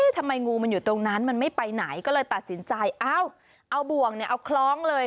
ทำไมงูมันอยู่ตรงนั้นมันไม่ไปไหนก็เลยตัดสินใจเอ้าเอาบ่วงเนี่ยเอาคล้องเลย